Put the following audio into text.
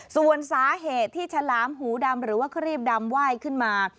ส่วนสาเหตุที่ฉลามหูดำหรือว่าครีบดำไหว้ขึ้นมา